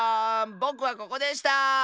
ぼくはここでした！